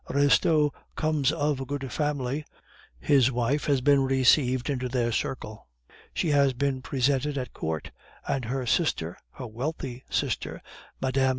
Restaud comes of a good family, his wife has been received into their circle; she has been presented at court; and her sister, her wealthy sister, Mme.